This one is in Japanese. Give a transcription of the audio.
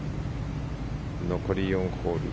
残り４ホール。